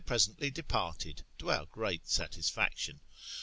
sently departed, to our ^i;reat satisfaction.